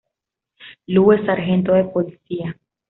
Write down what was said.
Lou es sargento de policía.